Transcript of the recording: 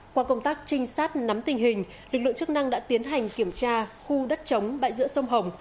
qua công tác trinh sát nắm tình hình lực lượng chức năng đã tiến hành kiểm tra khu đất chống bãi giữa sông hồng